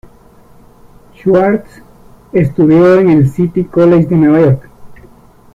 Schwartz estudió en el City College de Nueva York.